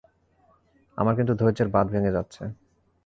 আমার কিন্তু ধৈর্যের বাঁধ ভেঙে যাচ্ছে!